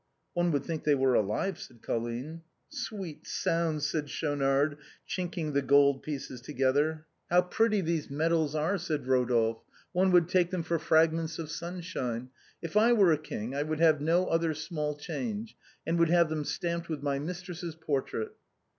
" One would think they were alive," said Colline. " Sweet sounds," said Schaunard, chinking the gold pieces together. 252 THE BOHEMIANS OF THE LATIN QUARTER. " How pretty these medals are !" said Eodolphe ; "one would take them for fragments of sunshine. If I were a king I would have no other small change, and would have them stamped with my mistress's portrait."